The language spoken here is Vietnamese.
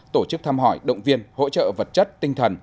tổ chức thăm hỏi động viên hỗ trợ vật chất tinh thần